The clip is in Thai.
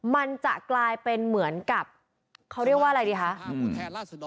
มันจะกลายเป็นเหมือนกับเขาเรียกว่าอะไรดีคะ